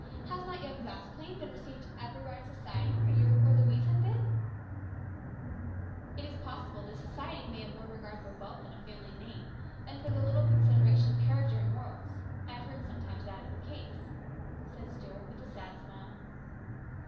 Has not young Vasplaine been received everywhere in society where you or Louise have been ?"" It is possible that society may have more regard for wealth and a family name than for the little consideration of character and morals. I have heard sometimes that that is the case," said Stuart with a sad smile.